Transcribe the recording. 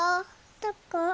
どこ？